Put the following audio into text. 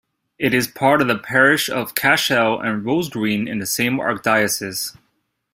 It is part of the parish of Cashel and Rosegreen in the same archdiocese.